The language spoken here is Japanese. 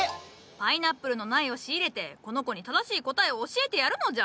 パイナップルの苗を仕入れてこの子に正しい答えを教えてやるのじゃ。